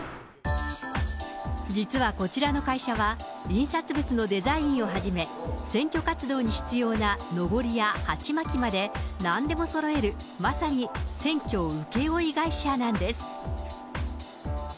実はこちらの会社は、印刷物のデザインをはじめ、選挙活動に必要なのぼりや鉢巻きまでなんでもそろえる、まさに選挙請け負い会社なんです。